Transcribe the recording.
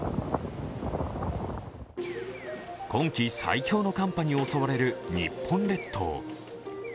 今季最強の寒波に襲われる日本列島。